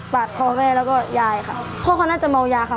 คอแม่แล้วก็ยายค่ะพ่อเขาน่าจะเมายาค่ะ